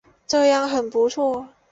这样很不错